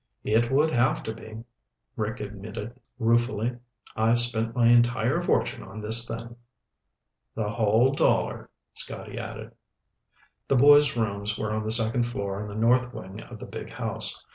"It would have to be," Rick admitted ruefully. "I've spent my entire fortune on this thing." "The whole dollar," Scotty added. The boys' rooms were on the second floor in the north wing of the big house.